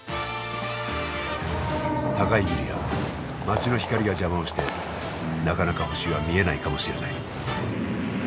高いビルや街の光が邪魔をしてなかなか星は見えないかもしれない。